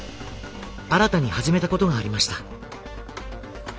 新たに始めたことがありました。